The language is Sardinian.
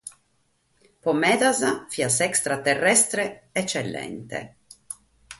Pro medas fiat s'extra-terrestre etzellente.